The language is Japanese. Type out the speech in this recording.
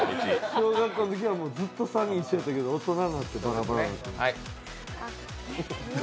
小学校のときはずっと一緒だったけど大人になってバラバラに。